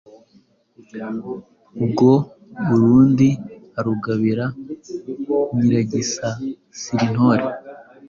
ubwo urundi arugabira Nyiragisasirintore